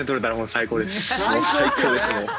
最高ですよね。